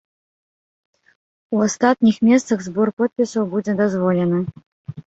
У астатніх месцах збор подпісаў будзе дазволены.